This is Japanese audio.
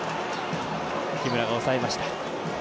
木村が抑えました。